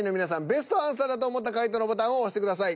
ベストアンサーだと思った回答のボタンを押してください。